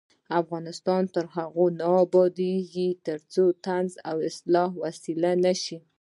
افغانستان تر هغو نه ابادیږي، ترڅو طنز د اصلاح وسیله نشي.